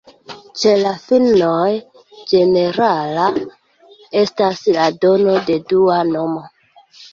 Ĉe la finnoj ĝenerala estas la dono de dua nomo.